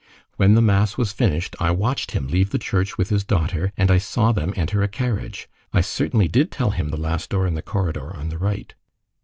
When the mass was finished, I watched him leave the church with his daughter, and I saw them enter a carriage. I certainly did tell him the last door in the corridor, on the right."